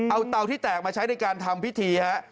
เอาเตาที่แตกมาใช้ในการทำพิธีฮะ